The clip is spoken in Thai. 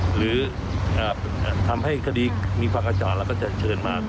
หรือทำให้คดีมีภาคอาจารย์แล้วก็จะเชิญมา